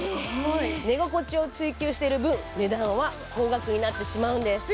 寝心地を追求している分、値段は高級になってしまうんです。